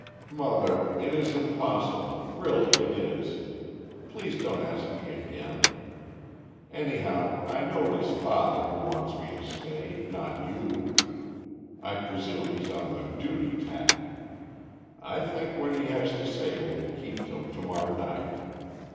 "Mother, it is impossible, really it is. Please don't ask me again. Anyhow, I know it is father who wants me to stay, not you. I presume he's on the duty tack. I think what he has to say will keep till to morrow night.